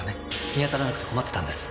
見当たらなくて困ってたんです。